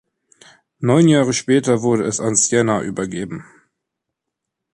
Neun Jahre später wurde es an Siena übergeben.